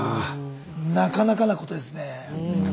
なかなかなことですね。